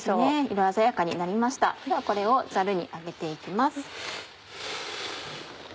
色鮮やかになりましたではこれをザルに上げて行きます。